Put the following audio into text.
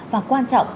và quan trọng